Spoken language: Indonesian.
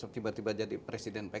tiba tiba jadi presiden pks